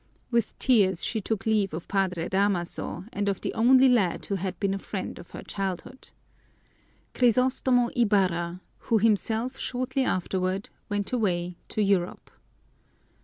With tears she took leave of Padre Damaso and of the only lad who had been a friend of her childhood, Crisostomo Ibarra, who himself shortly afterward went away to Europe.